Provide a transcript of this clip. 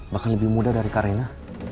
bahkan lebih muda dari karena